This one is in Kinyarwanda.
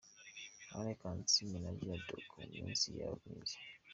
Anne Kansiime na Gerld Ojok mu minsi yabo myiza.